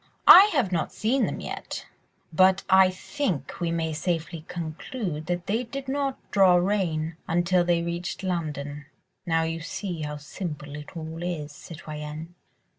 I have not seen them yet, but I think we may safely conclude that they did not draw rein until they reached London. Now you see how simple it all is, citoyenne!"